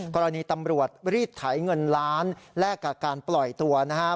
กรณีตำรวจรีดไถเงินล้านแลกกับการปล่อยตัวนะครับ